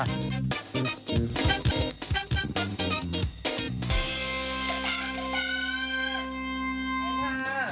เจ็บ